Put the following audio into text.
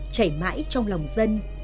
chảy mãi trong lòng dân